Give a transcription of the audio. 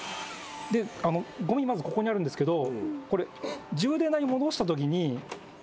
ごみまずここにあるんですけど。